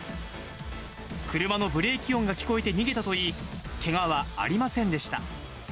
車のブレーキ音が聞こえて逃げたといい、けがはありませんでした。